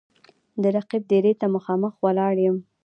د رقیب دېرې ته مـــخامخ ولاړ یـــم